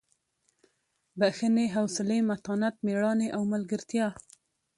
بښنې حوصلې متانت مېړانې او ملګرتیا.